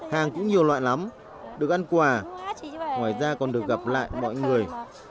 hàng cũng nhiều loại lắm được ăn quà ngoài ra còn được gặp lại mọi người